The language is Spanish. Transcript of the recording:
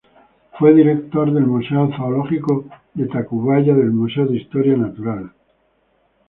Fue director del Museo Zoológico de Tacubaya del Museo de Historia Natural.